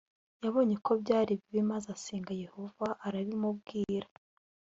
yabonye ko byari bibi maze asenga yehova arabimubwira